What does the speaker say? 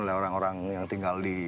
oleh orang orang yang tinggal di